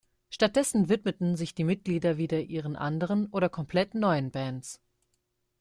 Stattdessen widmeten sich die Mitglieder wieder ihren anderen oder komplett neuen Bands.